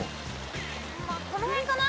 まあこのへんかな。